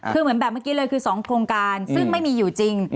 คือเหมือนแบบเมื่อกี้เลยคือ๒โครงการซึ่งไม่มีอยู่จริง